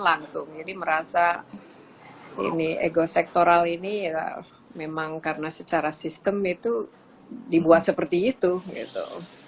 langsung jadi merasa ini ego sektoral ini ya memang karena secara sistem itu dibuat seperti itu gitu